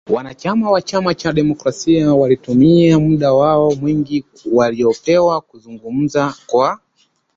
Wanachama wa chama cha Demokrasia walitumia muda wao mwingi waliopewa kuzungumza kwa